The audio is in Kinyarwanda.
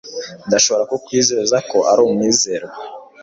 Ndashobora kukwizeza ko ari umwizerwa.